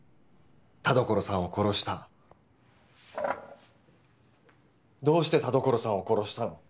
田所さんを殺したどうして田所さんを殺したの？